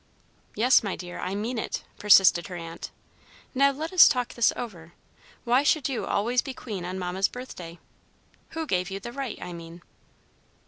"Yes, my dear, I mean it," persisted her aunt. "Now let us talk this over. Why should you always be queen on Mamma's birthday? Who gave you the right, I mean?"